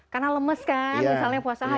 karena lemes kan misalnya puasa